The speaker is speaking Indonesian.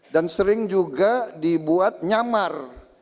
dan sering juga dibuat nyamar